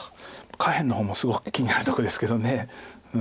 下辺の方もすごく気になるとこですけど。